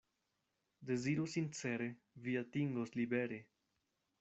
Deziru sincere, vi atingos libere.